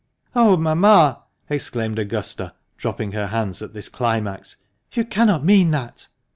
" Oh ! mamma," exclaimed Augusta dropping her hands at this climax, " you cannot mean that